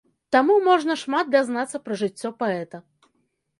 Таму можна шмат дазнацца пра жыццё паэта.